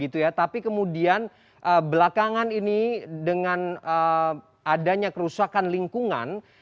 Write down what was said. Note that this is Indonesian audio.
tapi kemudian belakangan ini dengan adanya kerusakan lingkungan